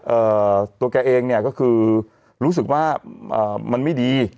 เอ่อตัวแกเองเนี่ยก็คือรู้สึกว่ามันไม่ดี